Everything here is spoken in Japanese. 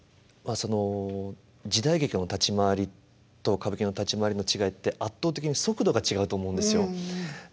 その時代劇の立ち回りと歌舞伎の立ち回りの違いって圧倒的に速度が違うと思うんですよ。